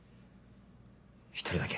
１人だけ。